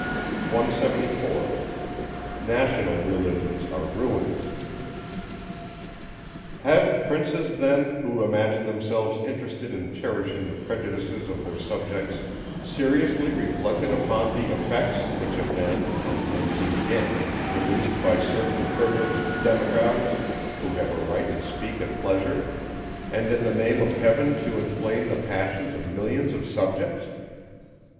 174. Have princes then, who imagine themselves interested in cherishing the prejudices of their subjects, seriously reflected upon the effects, which have been, and may be again produced by certain privileged demagogues, who have a right to speak at pleasure, and in the name of heaven to inflame the passions of millions of subjects?